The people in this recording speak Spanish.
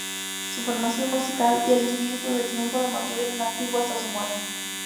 Su formación musical y el espíritu de triunfo lo mantuvieron activo hasta su muerte.